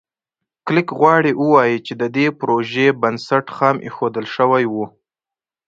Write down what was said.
کلېک غواړي ووایي چې د دې پروژې بنسټ خام ایښودل شوی و.